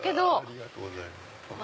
ありがとうございます。